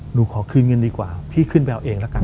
หนูขอคืนเงินดีกว่าพี่ขึ้นไปเอาเองละกัน